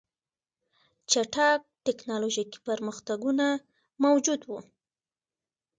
چټک ټکنالوژیکي پرمختګونه موجود وو